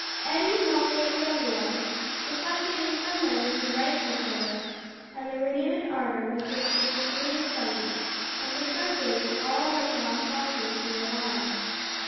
Eddie, Molly and the younger ones, reflected in some measure her bright hopefulness, and the renewed ardor with which she pursued her studies, and for some days all went on prosperously at Ion.